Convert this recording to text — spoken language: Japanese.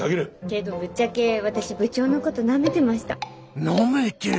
けどぶっちゃけ私部長のことなめてました。